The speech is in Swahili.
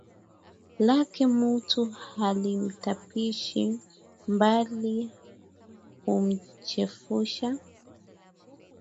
Lake mtu halimtapishi bali humchefusha